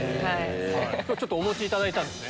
今日お持ちいただいたんですね。